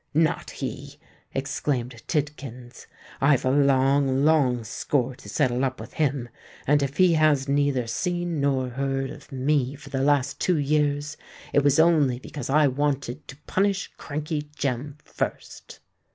"Not he!" exclaimed Tidkins. "I've a long—long score to settle up with him; and if he has neither seen nor heard of me for the last two years, it was only because I wanted to punish Crankey Jem first."